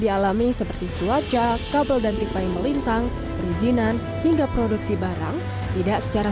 dialami seperti cuaca kabel dan tipai melintang perizinan hingga produksi barang tidak secara